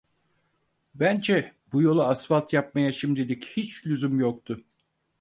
Bence bu yolu asfalt yapmaya şimdilik hiç lüzum yoktu.